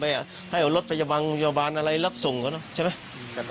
เชิญให้ทัพที่หาเมื่อเปลี่ยนอย่างไรให้เอารถไปบ้านอะไรลักษณ์ก่อนแล้วใช่ไหม